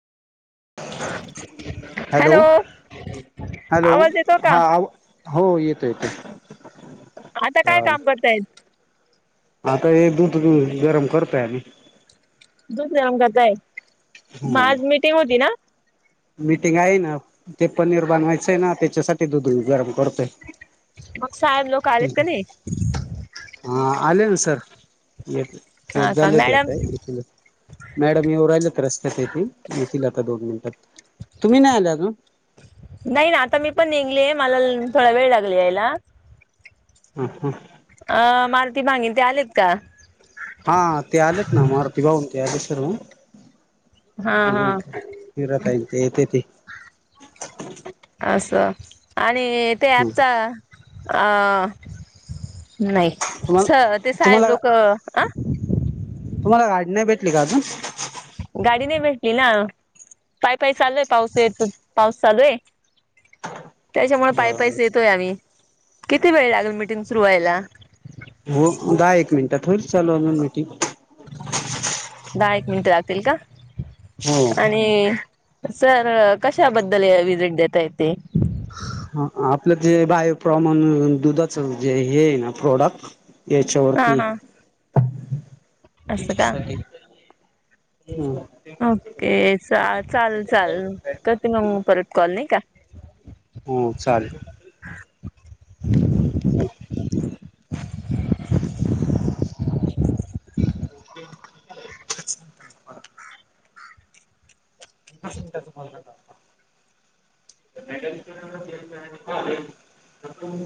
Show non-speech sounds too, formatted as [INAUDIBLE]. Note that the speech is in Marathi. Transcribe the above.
हॅलो हॅलो आवाज येतो का हा हो येतो येतो आता काय चालेल काम करतायत आता हे दूध गरम करतय मी दुकता आहे म हम्म आज मिटिंग होती ना मीटिंग आहे ना ते पनीर बनवायचंय ना त्याच्यासाठी दुध गरम करतय मग साहेब लोक आलेत का नाही हा आले ना सर य पो हा का झालेेत मॅडम यथ मॅडम येव राहिल तर रस्त्यात येथीलथ दोन मिनिटात तुम्ही नाही आलाता नाही ना आता मी पण निघले मला थोडा वेळ लागला यायला हम हम अ मलती भांगिन ते आलेत का हा ते आलेत ना मारुती भाऊन ते आसर् हा हा हात येते ते [INAUDIBLE] असं आणि ते आच तुम्हाला नाही ते साहेब तुम्हाला लोक अ तुम्हाला गाडी नाही भेटली का अजून क ना पाय पाय चालू आहे पाऊस य त पाऊस चालू आहे त्याच्यामुळे पाय बर पैसे येतोय आम्ही किती वेळ लागल मिीटिंग सुरू व्हायला हो दहा एक मिनिटात होईल चालू अजून मीटिंग दहा एक मिनिट लागतील का हो आणि सर कशाबद्दल विजिट देता येते आपलं ज बाय प्रमाण दुधाच जे हे आहे ना प्रोडक्ट हा याच्यावरती हा असं का त्याच्यासाठी हो ओके चाल चाल चाल करते मग मग, परत कॉल नाही का? हो, चालेल. चला. [UNINTELLIGIBLE] [UNINTELLIGIBLE] एकवीस मिनिटाच बोलनं जातं. [UNINTELLIGIBLE]